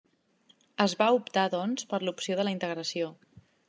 Es va optar, doncs, per l'opció de la integració.